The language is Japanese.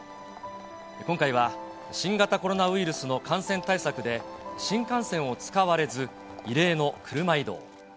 今回は新型コロナウイルスの感染対策で、新幹線を使われず、異例の車移動。